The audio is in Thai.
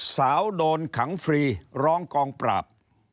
สาวโดนขังฟรีร้องกองปราบ